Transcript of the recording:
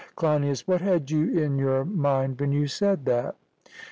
CLEINIAS: What had you in your mind when you said that?